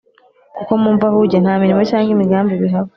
kuko mu mva aho ujya nta mirimo cyangwa imigambi bihaba.